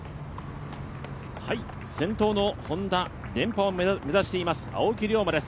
先頭のＨｏｎｄａ、連覇を目指しています青木涼真です。